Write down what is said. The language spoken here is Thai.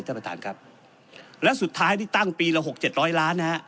ท่านประธานครับและสุดท้ายที่ตั้งปีละหกเจ็ดร้อยล้านนะฮะ